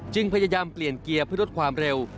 พยายามเปลี่ยนเกียร์เพื่อลดความเร็ว